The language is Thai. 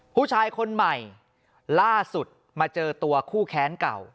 ผู้ชายคนใหม่ล่าสุดมาเจอตัวคู่แค้นเก่า